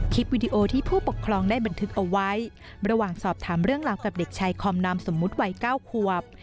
วิดีโอที่ผู้ปกครองได้บันทึกเอาไว้ระหว่างสอบถามเรื่องราวกับเด็กชายคอมนามสมมุติวัย๙ขวบ